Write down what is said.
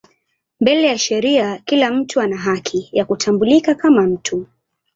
Mbele ya sheria kila mtu ana haki ya kutambulika kama mtu.